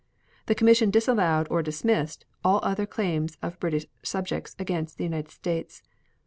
The commission disallowed or dismissed all other claims of British subjects against the United States.